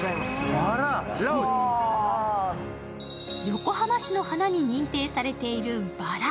横浜市の花に認定されているばら。